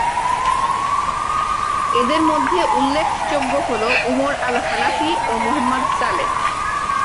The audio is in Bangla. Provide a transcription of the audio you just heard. এদের মধ্যে উল্লেখযোগ্য হল উমর আল-হানাফি ও মুহাম্মদ সালেহ।